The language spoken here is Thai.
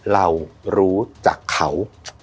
เรารู้จักเขา